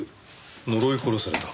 「呪い殺された？」